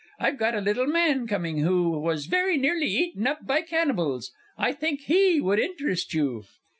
I've got a little man coming who was very nearly eaten up by cannibals. I think he would interest you.